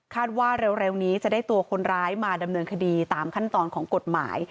ว่าเร็วนี้จะได้ตัวคนร้ายมาดำเนินคดีตามขั้นตอนของกฎหมาย